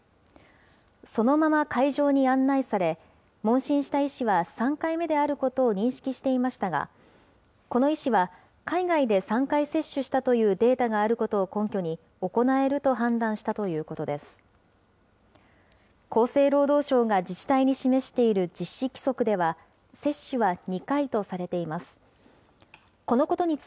そのまま会場に案内され、問診した医師は３回目であることを認識していましたが、この医師は、海外で３回接種したというデータがあることを根拠に行えると判断したということです。